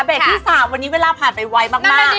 ที่๓วันนี้เวลาผ่านไปไวมาก